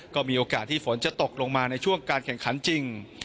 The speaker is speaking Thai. ก็มีโอกาสที่ฝนจะตกลงมาในช่วงการแข่งขันจริง